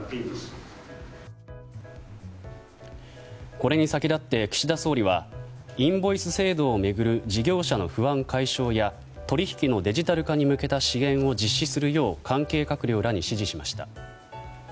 これに先立って岸田総理はインボイス制度を巡る事業者の不安解消や取引のデジタル化に向けた支援を実施するよう関係閣僚らに指示しました。